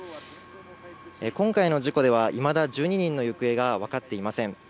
今回の事故ではいまだ１２人の行方がわかっていません。